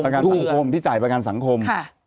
ประกันสังคมที่จ่ายประกันสังคม